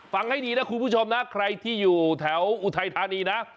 ฟังให้ดีนะคุณผู้ชมนะใครที่อยู่แถวอุทัยธานีนะ